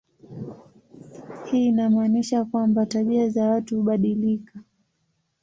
Hii inamaanisha kwamba tabia za watu hubadilika.